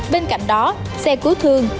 bên cạnh đó xe cứu thương